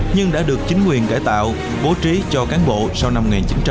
nhưng đã được chính quyền cải tạo bố trí cho cán bộ sau năm một nghìn chín trăm bảy mươi